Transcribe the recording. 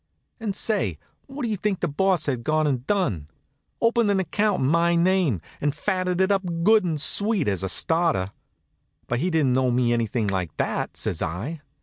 And say, what do you think the Boss had gone and done? Opened an account in my name, and fatted it up good and sweet, as a starter. "But he didn't owe me anything like that," says I.